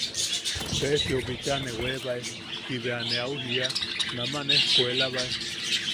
–Peesiou bicha ne weebae –ti bea ne au jiia –naman ejkuelabae.